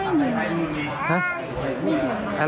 ไม่ยืนยัน